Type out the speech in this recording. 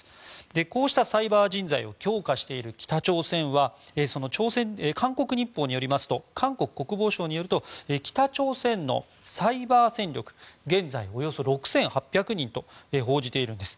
こうしたサイバー人材を強化している北朝鮮は韓国日報によりますと韓国国防省によると北朝鮮のサイバー戦力現在およそ６８００人と報じているんです。